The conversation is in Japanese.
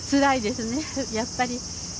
やっぱり。